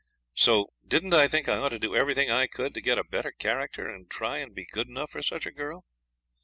So didn't I think I ought to do everything I could to get a better character, and try and be good enough for such a girl?